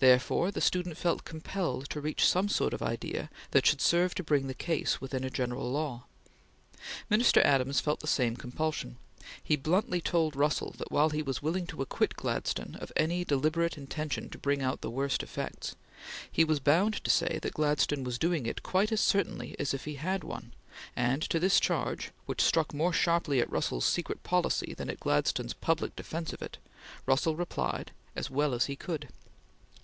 Therefore the student felt compelled to reach some sort of idea that should serve to bring the case within a general law. Minister Adams felt the same compulsion. He bluntly told Russell that while he was "willing to acquit" Gladstone of "any deliberate intention to bring on the worst effects," he was bound to say that Gladstone was doing it quite as certainly as if he had one; and to this charge, which struck more sharply at Russell's secret policy than at Gladstone's public defence of it, Russell replied as well as he could